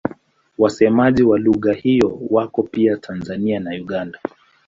Wasemaji wa lugha hizo wako pia Tanzania na Uganda.